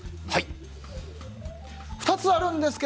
２つあるんですが、